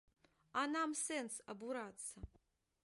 А нам сэнс абурацца?